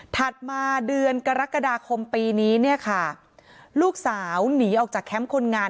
มาเดือนกรกฎาคมปีนี้เนี่ยค่ะลูกสาวหนีออกจากแคมป์คนงาน